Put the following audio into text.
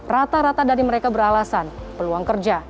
rata rata dari mereka beralasan peluang kerja